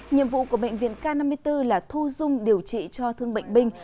nhiệm vụ của bệnh viện k năm mươi bốn là thu dung điều trị cho thương bệnh binh